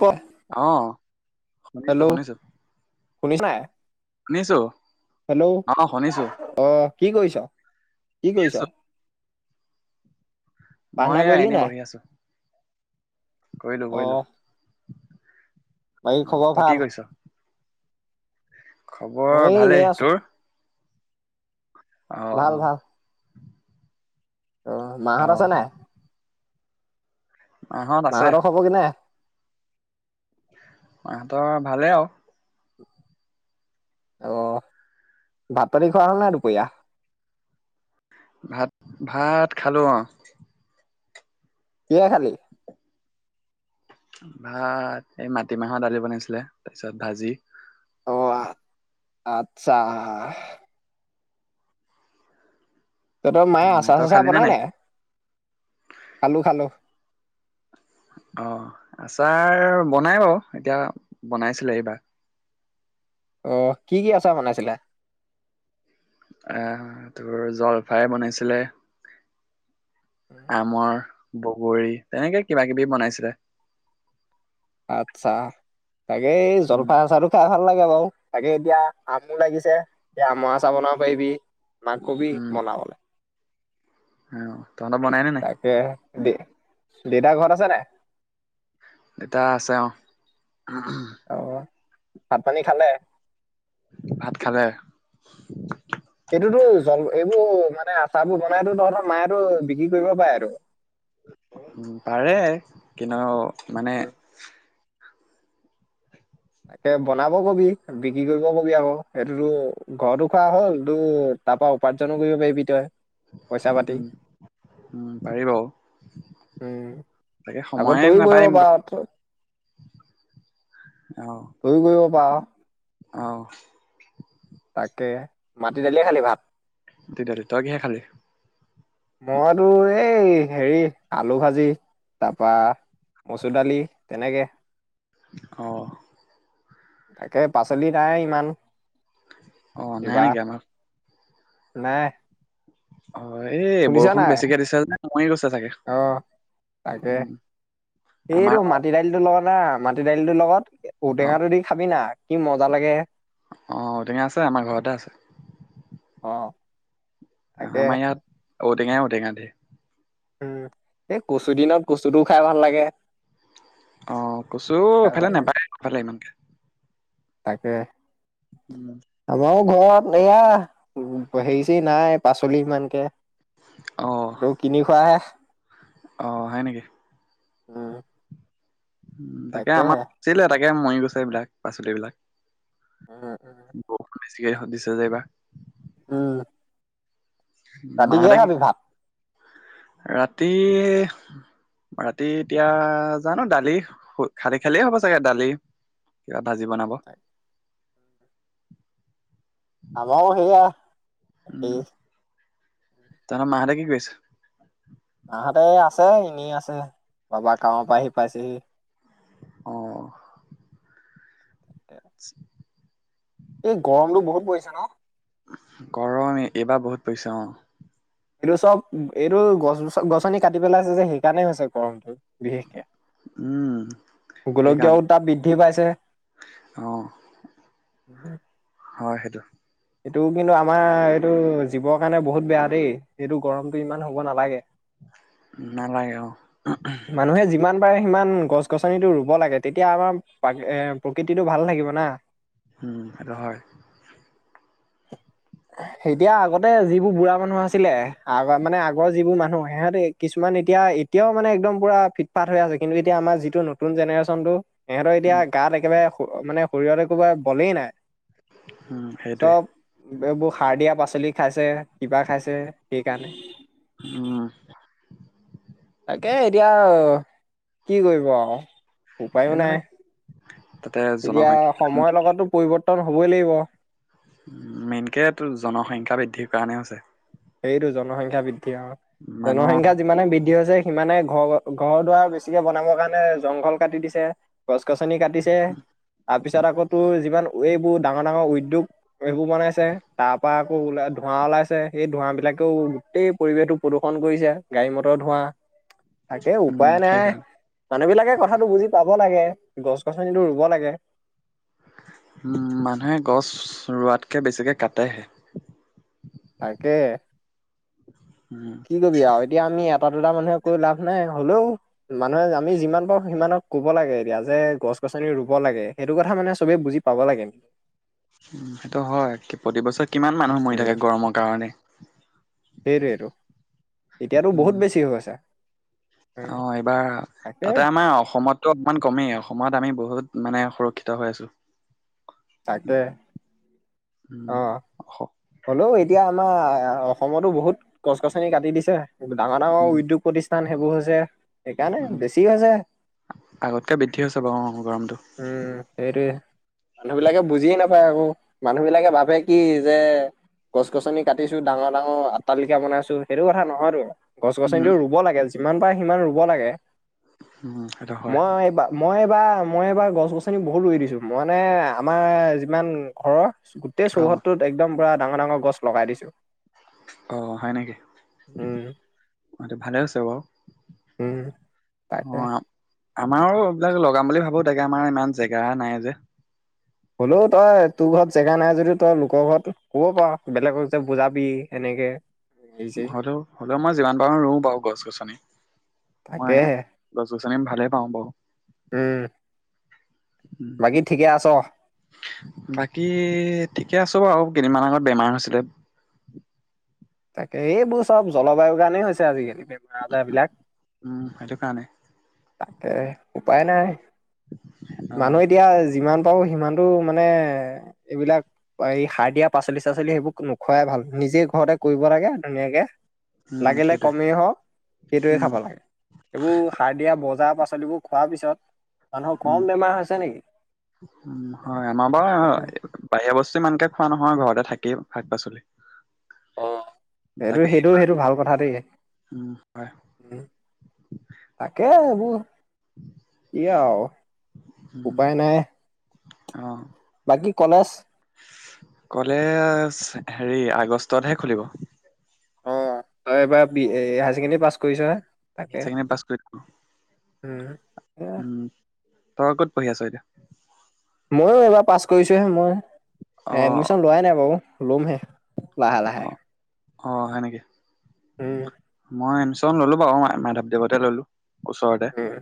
ক অ হেল্ল' শুনিছনে নিছো হেল্ল' আহ কি কৰিছ কি শুনি আছো কৰিছ প্ৰাৰ্থনা মই কৰিলি এনে নাই বহি আছো কৰিলো অ কৰিলো বাকী খবৰ ভাল উ খবৰ মই এনেই ভালেই আছো তোৰ অ ভাল অঁ ভাল অ অ মাহত আছা নাই মাহঁত আছে মাহঁতৰ খবৰ কেনে আহ তৰ ভালে আৰু আহ ভাত পানী খোৱা হ'ল নাই দুপৰিয়া ভাত ভাত খালো অ কিহে খালি ভাত এই মাটিমাহৰ দালি বনাইছিলে তাৰপিছত ভাজি অ আচ্ছা তহত মায়ে উম আচাৰ তই চাচাৰ খালি নে বনাই নাই খালো খালো অ আচাৰ বনাই বাৰু এতিয়া বনাইছিলে এইবাৰ আহ কি কি আচাৰ বনাইছিলে আহ তোৰ জলফাই বনাইছিলে আমাৰ বগৰী তেনেকে কিবা কিবি বনাইছিলে আত্ছা তাকে এই উম জলফা চচাৰো খাই ভাল লাগে বাৰু তাকে এতিয়া আমো লাগিছে এতিয়া আমৰা আচা বনাব পাৰিবি ন কবি উম মনালে [unintelligible] অ তহততে বনাইনে নাই তাকে দে দিদাৰ ঘৰত আছে নে ডেটা আছে অ অ ভাত পানী খালে ভাত খালে এইটোতো জল এইবোৰ মানে আচাৰ বোৰ বনাইতো তহঁতৰ মাইটো বিক্ৰী কৰিব পাৰে আৰু পাৰে কিন্তু মানে উম, তাকে বনাব কবি বিক্ৰী কৰিব কবি আকৌ সেইটোতো ঘৰতো খোৱা হ'ল তো তাৰ পৰাৰা উপাৰ্জনো কৰিব পাৰিবি তই [unintelligible] পইচা উ পাতি উম পাৰিব উম তাকে আকৌ সময়ে তইয়ো কৰিব নাপাৰিম পাৰ তইয়ো কয় ক [unintelligible] বাহ [unintelligible] আহ তাকে মাটি দালিয়ে খালি ভাত দি দালি তই কিহে খালি মইতো এই হেৰি আলু ভাজি তাৰপা মচুৰ দালি তেনেকে অ তাকে পাচলি নাই ইমান অ নাই কিবা নেকি আমাৰ নাই অ এই শুনিছা বৰষুণ নাই বেছিকে দিছে যে মৰি গৈছে চাগে আহ তাকে উম আমাৰ এইটো মাটি দাইলটো লোৱা না [unintelligible] মাটি দাইলিটোৰ লগত ঔটেঙা টো দি খাবি না কি মজা লাগে আহ ঔটঙা আছে আমাৰ ঘৰতে আছে অ তাকে আমাৰ ইয়াত ঔটেঙাই ঔটেঙা দ [unintelligible] উম এই কচু দিনত কচুটো খাই ভাল লাগে অ কচু খাই ইফালে ভাল লাগে নাপায় ইফালে ইমানকে তাকে উম আমাৰো ঘৰত এয়া হেৰিচ নাই পাচলি ইমানকে অ তৌ কিনি খোৱাহে অ হয় নেকি উম। উম তাকে আমাৰ তাকেহে চিল মৰি গোছেই এই বিলাক পাচলিবিলাক উম উম [inaudible] ব যিয়ে সুদিশে যে এই বা উ [inaudible] ৰাতিকে মাহঁতে কি খাবি ভাত [inaudible] ৰাতি ৰাতি এতিয়া জানো দালি খালি খালিয় হ'ব চাগে দালি কিবা ভাজি বনাব আমও সেইয়া [unintelligible] তাৰ মাৰে কি কৈছে [inaudible] তাহাঁতে আছে এনেই আছে বাবা কৱৰ পৰা আহি পাইছেহি। অঁ। আতছ [unintelligible] এই গৰমতটো বহুত পৰিছে ন কৰৰমে এইবাৰ বহুত পইছা অ এইটো চব এইটো গছছ গছনি কাটি পেলাইছে যে সেইকাৰণে হৈছে গৰমটো বিশেষকে উম গোলকীয় উত্তাপ বৃদ্ধি পাইছে। সেইকাৰণে অ হয় সেইটো [inaudible] এইটো কিন্তু আমাৰ এইটো জীৱৰ কাৰণে বহুত বেয়া দেই এইটো গৰমতটো ইমান হ'ব নালাগে নালাগে মানুহে যিমান তাৰ সিমান গছ গছনিটো ৰুব লাগে তেতিয়া আমাৰ এ প্ৰকৃতিটো ভাল থাকিব না। উম হয়য় [inaudible] এতিয়া আগতে যিবোৰ বুঢ়া মানুহ আছিলে আগ মানে আগৰ যিবোৰ মানুহ সিহঁতে কিছুমান এতিয়া এতিয়াও মানে একদম পুৰা ফিটফাত হৈ আছে কিন্তু এতি আমাৰ যিটো নতুন জেনেৰে্যনটো সহঁতৰ এতিয়া উম গাত একেবাৰে মানে শৰীৰতে কবা বলেই নাই উম সেইটোৱে চব বেবো সাৰ দিয়া পাছত শাচোৱলি খাইছে কিবা খাইছে সেইকাৰণে উম তাকে এতিয়া কি কৰিব আৰু উপায়ো নাই সেইবিলাক তাতে এতিয়া জনসংখ্যা সময়ৰ লগতো পৰিৱৰ্তন হ'ব লাগিব [inaudible] উ, মেইনকে তো জনসংখ্যা বৃদ্ধিৰ কাৰণে হৈছে। সেইটো, জনসংখ্যা বৃদ্ধি। মানুহ জনসংখ্যা যিমানে বৃদ্ধি হৈছে সিমানে ঘৰ, ঘৰ দুৱাৰ বেছিকে বনাবৰ কাৰণে জংঘল কাটি দিছে। গছ গছনি কাটিছে, তাৰপিছত আকৌ তোৰ যিমান এইবোৰ ডাঙৰ ডাঙৰ উদ্যোগ, এইবোৰ বনাইছে। তাৰ পৰা আকৌ ধোঁৱা ওলাইছে সেই ধোঁৱা বিলাকেও গোটেই পৰিৱেশটো প্ৰদূষণ কৰিছে, গাড়ী মটৰ ধোঁৱা তাকে উম উপায় নাই। সেইকাৰণে মানুহ বিলাকে কথাটো বুজি পাব লাগে। গছ গছনিটো ৰুব লাগে উম মানুহে গছ ৰোৱাত কে বেছিকে কাটেহে। তাকে। উম, কি কবি আৰু, এতিয়া আমি এতা দুতা মানুহে কৈ লাভ নাই। হ'লেও মানুহে, আমি যিমান পাৰোঁ সিমানক ক'ব লাগে এতিয়া যে গছ গছনি ৰুব লাগে। সেইটো কথা মানে চবে বুজি পাব লাগে। উম সেইটো হয়, কি প্ৰতিবছৰে কিমান মানুহ মৰি উম থাকে গৰমৰ কাৰণে। সেইটোেইটো! এতিয়াতো বহুত উম, বেছি গৈছে। উম অ' এইবাৰ, তাকে আমাৰ অসমত তো অকমান কমেই, অসমত আমি বহুত মানে, সুৰক্ষিত হৈ আছোঁ। তাকে। অ [unintelligible] হ'লেও এতিয়া আমাৰ অসমতো বহুত গছ গছনি কাটি দিছে ডাঙৰ ডাঙৰ উম, উদ্যোগ প্ৰতিষ্ঠান সেইবোৰ হৈছে। সেইকাৰণে উম, বেছি হৈছে, আগতকে বৃদ্ধি হৈছে বাৰু অ' গৰমটো। উম সেইটোৱে। মানুহ বিলাকে বুজিয়ে নাপায় আকৌ। মানুহ বিলাকে ভাবে কি যে গছ গছনি কাটিছোঁ, ডাঙৰ ডাঙৰ আট্টলিকা বনাইছোঁ, সেইটো কথা নহয়তো। গছ উম, গছনিটো ৰুব লাগে যিমান পাৰে সিমান ৰুব লাগে উম, সেইটো হয় মই, এইবা মই এইবাৰ, মই এইবাৰ, গছ গছনি বহুত ৰুই দিছোঁ। মই মানে আমাৰ যিমান ঘৰৰ গোটেই অ', চৌহদটোত একদম পুৰা ডাঙৰ ডাঙৰ গছ লগাই দিছোঁ অহ ', হয় নেকি উম এটো ভালে আছে বাৰু উম', তাকাকে অ'। আমাৰো এইবিলাক লগাম বুলি ভাবো তাকে আমাৰ ইমান জেগা নাই যে। হ'লোও তই তোৰ ঘৰত জেগা নাই যদি তই লোকৰ ঘৰত কব পাৰ বেলেগক যে বুজাবি এনেকে হেৰি চেৰি হলেও - হলেও মই যিমান পাৰো ৰুওঁ বাৰু গছ গছনি। মই তাকেহে গছ গছনি ভালে পাওঁ বাৰু উম বাকী ঠিকে আছ বাকী ঠিকে আছো বাৰু। কেইদিনমান আগত বেমাৰ হৈছিলে। এইবোৰ চব জলবায়ু গানেই হৈছে আজিকালি। বেমাৰ আজাৰ উ-উ বিলাক -উম ', এটো কাৰানে তাকে উপায় নাই। অ, মানুহ এতিয়া যিমান বাৰ সিমানতো মানে এইবিলাক এই সাৰ দিয়া পাচলি চাচলি সেইবোৰ নোখুৱাই ভাল নিজে ঘৰতে কৰিব লাগে ধুনীয়াকে। উম, লাগিলে সেইটোৱে কমেই হও সেইটোৱে উম, খাব লাগে। এইবোৰ বজাৰ পাচলিবোৰ খোৱাৰ পিছত। মানুহৰ কম উম', বেমাৰ হৈছে নেকি - উম ', হয় আমাৰ বাৰু বাহিৰা বস্তু ইমানকে খোৱা নহয় ঘৰতে থাকেই শাক পাচলি। অহ ', সেইটো তাকে - সেইটো - সেইটো ভাল কথা দেই উম, হয় তাকে এইবোৰ। কি আৰু উপায় নাই। অহ ', কি কলেজ? কলেজ হেৰি আগষ্টতহে খুলিব। অহ ', তই এবাৰ বি হায়াৰ ছেকেণ্ডৰী পাছ কৰিছ হে। হাইছেকেণ্ডাৰী পাছ কৰি উম, উম ', তই ক'ত পঢ়ি আছ এতিয়া? ময়ো এইবাৰ পাছ কৰিছোহে মই। এডমিশন লোৱাই নাই বাৰু লমহে। লাহে অহ', - লাহে। অহ', - অহ ', সেনেকে উম, মই এডমিশন ললো। মই মাধৱদেৱতে ললো। ওচৰতে উম,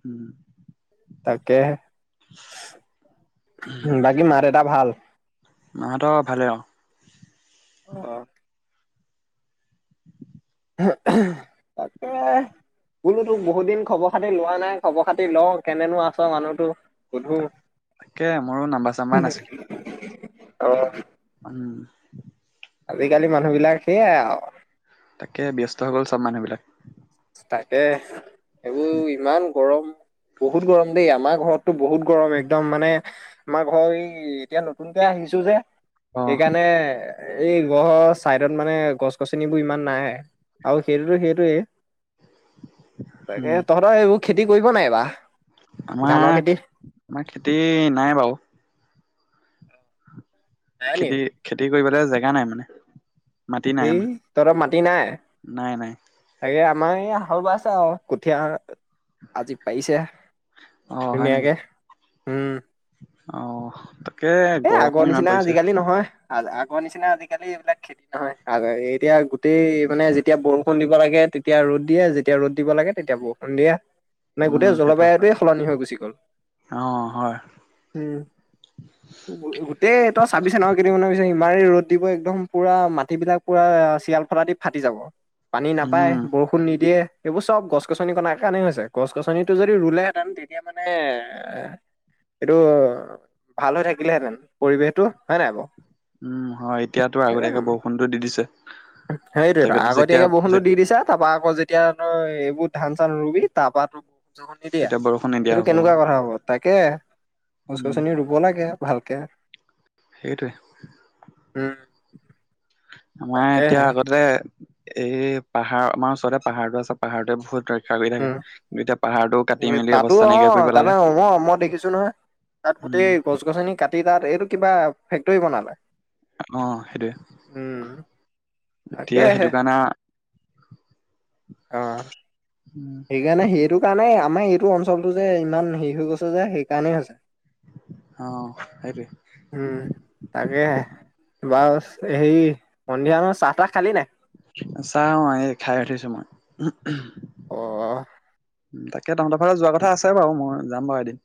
হু তাকে বাকী মাৰ দেতাৰ ভাল। মাহতৰ ভালে আৰু। অহ ', তাকে বোলো তোক বহুত দিন খবৰ খাতি লোৱা নাই খবৰ খাতি ল কেনেনো আছ মানুহতো। সুধো তাক তাকে মোৰো নাম্বাৰ চাম্বাৰ নাছিলে অ উম আজিকালি মানুহ বিলাক সেইয়াই আৰু তাকে ব্যস্ত হৈ গ'ল চব মানুহবিলাক তাকে এইবোৰ ইমান গৰম বহুত গৰম দেই আমাক ঘৰতটো বহুত গৰম একদম মানে আমাৰ ঘৰ এই এতিয়া নতুনক আহিছো যে অ সেইকাৰণে এই গ়ৰ চাইডত মানে গছ গছনিবোৰ ইমান নাইৱে অ হেৰি হেৰুে তাকে উম তহঁতৰ এইবোৰ খেতি কৰিব নাই বাা আমাৰ আমাৰ খেতি নাই বাৰু নাই নি? খেতি খেতি কৰিবলৈ জেগা নাই মানে মাটি নাই এই আমাৰ তহঁত মাটি নাই নাই নাই তাকে মাই হালবাই আছা আৰু কঠীয়া আজি পাইছে ধুনীয়াকে উম আহ এ আগৰ নিচিনা আজিকালি নহয় আ আগৰ নিচিনা আজিকালি এইবিলাক খেতি নহয় আৰু এতিয়া তেেই মানে যেতিয়া বৰষুণ দি দিব লাগে তেতিয়া ৰ'দ দিয়ে যেতিয়া ৰ'দ দিব লাগে তেতিয়া বৰষুণ দিয়ে মানে উম গোটেই সেইটো হয় জলবায়ুটোৱে সলনি হৈ গুচি গল অ হয় উম গোটেই তই চাবিছ ন কেদিন মানৰ ইিমাৰি ৰ'দ দিব একদম পুৰা মাটিবিলাক পুৰা চিয়াল ফটাা দি ফাটি যাব পানী নাপায় উম বৰষুণ নিদিয়ে এইেইবোৰ চব গছ গছনি কণাৰ কাৰণে হৈছে গছ গছনিটো যদি ৰুলেহেঁতেন তেতিয়া মানে এইটো ভাল হৈ থাকিলেহেঁতেন পৰিৱেশটো হয়ে নাই বাৰৌ উম হয় এতিয়াতো আগতীয়াকে বৰষুণতটো দি দিছে সেইটো এটা তাকে যেতিয়া আগতীয়াকে যে বৰষুণটো দি দিছে তাৰপা আকৌ যেতিয়া তই এইবোৰ ধান চান ৰুবি তাৰপ তো জগ নিদিয়া তেতিয়া বৰষুণ নিদিয়া সেইটো হ'ব অ কেনেকুৱা কথা হ'ব। তাকে। গছ উম গছনি ৰুব লাগে। ভালকে। হেই তোয়ে। উম। আমাৰ এতিয়া তাকেহে আগতে এই পাহাৰ আমাৰ ওচৰতে পাহাৰতটো আছে পাহাৰটোৱে বহুত কৰি থাকে। উম কিন্তু এতিয়া পাহাৰটো কাটি মেলি তাতো অৱস্থা অ নাইকিয়া কৰি তাম পেলালে। মই দেখিছো নহয় তাত গোটেই উম, গছ গছনি কাটি তাত এইটো কিবা ফেক্টৰী বনালে। অ সেইটোৱে উম এতিয়া তাকেহে সেইটো কাৰণে অ উম, সেইকাৰণে সেইটো কাৰণে আমাৰ মেইটো অঞ্চলটো যে ইমান হেৰি হৈ গৈছে যে সেইকাৰণেই হৈছে। অ' সেইটোৱে উম তাকে। বাৰু হেৰি সন্ধিয়া চাহ তাহ খালি নাই? চা অ এই খাই উঠিছো মই। অ অ। তাকে। এ তহতৰ ফালে যোৱা কঠা আছে বাৰু মোৰ। যাম বাৰু এদিন।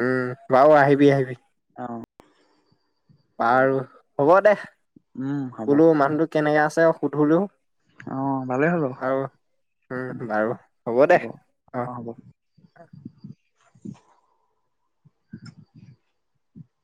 উম বাৰু আহিবি আহিবি। অ'। বাৰু হ'ব দে। উম, হ'ব বোলো মানুহটো কেনেকা আছে। [unintelligible] আৰু অ' ভালেই হ'ব উম বাৰু হ'ব দে অ। [inaudible]